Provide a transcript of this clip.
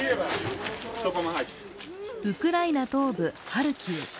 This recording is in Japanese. ウクライナ東部ハルキウ。